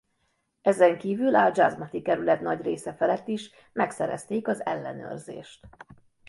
Ezen kívül al-Jazmati kerület nagy része felett is megszerezték az ellenőrzést.